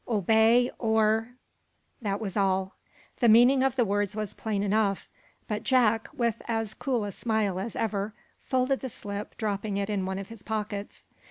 Obey, or " That was all. The meaning of the words was plain enough, but Jack, with as cool a smile as ever, folded the slip, dropping it in one of his pockets.